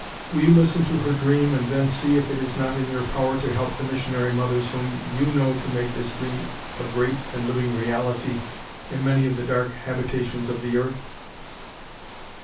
Will you listen to her dream, and then see if it is not in your power to help the missionary mothers whom you know to make this dream a great and living reality in many of the dark habitations of the earth?